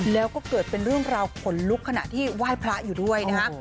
แล้วก็เกิดเป็นเรื่องราวขนลุกขณะที่ไหว้พระอยู่ด้วยนะฮะ